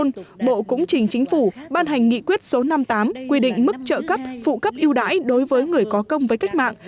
trong đó bộ cũng trình chính phủ ban hành nghị quyết số năm mươi tám quy định mức trợ cấp phụ cấp yêu đãi đối với người có công với cách mạng